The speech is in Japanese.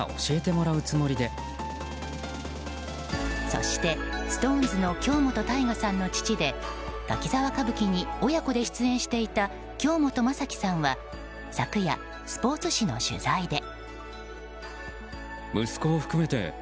そして、ＳｉｘＴＯＮＥＳの京本大我さんの父で「滝沢歌舞伎」に親子で出演していた京本政樹さんは昨夜スポーツ紙の取材で。